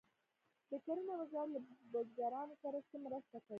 د کرنې وزارت له بزګرانو سره څه مرسته کوي؟